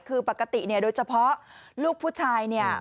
คือปกติโดยเฉพาะลูกผู้ชาย